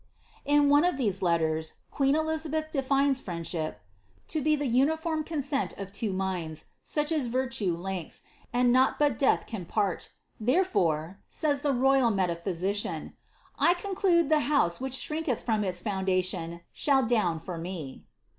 In one of these letters, queen Elizabeth defines friendship ^' to be thf uniform consent of two minds, such as virtue links, and nought but death can part. Therefore," says the royal metaphysician, ^^ 1 conclude the house which shrinketh from its foundation shall down for me."